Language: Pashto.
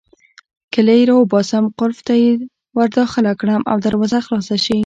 کیلۍ راوباسم، قلف ته يې ورداخله کړم او دروازه خلاصه شي.